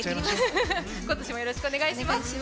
今年もよろしくお願いします。